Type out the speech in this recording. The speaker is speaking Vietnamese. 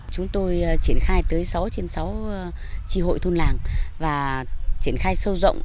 chúng tôi triển khai tới sáu tri hội thun làng và triển khai sâu rộng